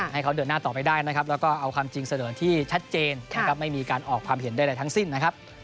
ให้เขาเดินหน้าต่อไปได้แล้วก็เอาความจริงเสด็จที่ชัดเจนไม่มีการออกความเห็นได้ในทั้งสิ้นนะครับ